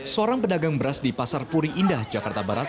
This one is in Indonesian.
seorang pedagang beras di pasar puri indah jakarta barat